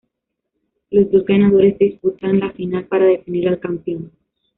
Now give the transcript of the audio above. Los dos ganadores disputan la final para definir al campeón.